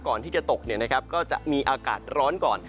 ตอนที่จะตกเนี่ยนะครับก็จะมีอากาศร้อนก่อน